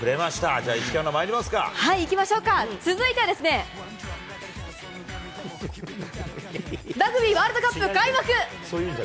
じゃあ、いきましょうか、続いてはですね、ラグビーワールドカップ、開幕！